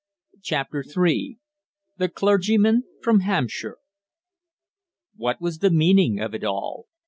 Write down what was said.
CHAPTER THREE THE CLERGYMAN FROM HAMPSHIRE What was the meaning of it all?